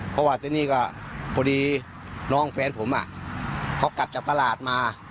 เพราะว่าที่นี่ก็พอดีน้องแฟนผมเขากลับจากตลาดมา